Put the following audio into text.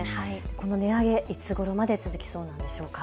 この値上げいつごろまで続きそうなんでしょうか。